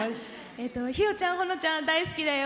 ひろちゃん、ほのちゃん大好きだよ。